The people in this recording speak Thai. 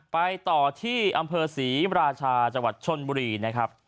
ไปต่อที่อำเภอศรีราชาจังหวัดชนบุรีนะครับ